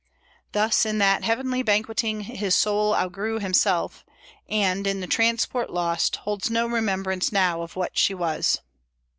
"Thus, in that heavenly banqueting his soul Outgrew himself, and, in the transport lost, Holds no remembrance now of what she was."